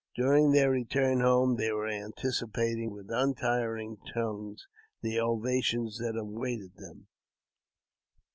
During their return home they were anticipating with untiring tongues the ovation that awaited them.